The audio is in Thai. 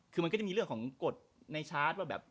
คือมันก็จะมีเรื่องของกฎในชาร์จว่าแบบ